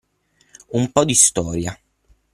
Un po’ di storia.